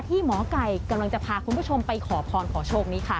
หมอไก่กำลังจะพาคุณผู้ชมไปขอพรขอโชคนี้ค่ะ